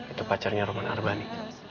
itu pacarnya roman arbani